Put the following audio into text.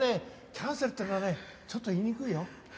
キャンセルっていうのはねちょっと言いにくいよ。